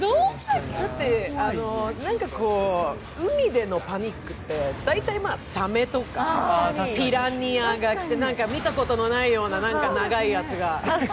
海でのパニックって、大体サメとかピラニアが来て、見たことがないような何か長いやつが。